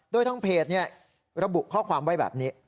โดยทางเพจระบุข้อความไว้แบบนี้